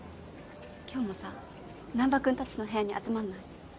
今日もさ難破君たちの部屋に集まんない？